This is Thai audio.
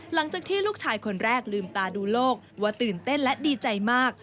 หลังจากที่ลูกชายคนแรกลืมตาดูโลกว่าตื่นเต้นและดีใจมาก